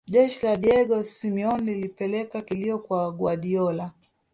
jeshi la diego semeon lilipeleka kilio kwa guardiola